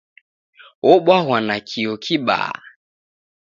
Obwaghwa nakio kibaa.